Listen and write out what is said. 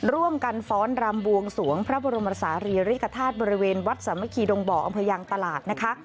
ร่วมกันฟ้อนรำบวงสวงพระบรมศาลีริกฐาตุบริเวณวัดสามัคคีดงบ่ออำเภอยังตลาดนะคะ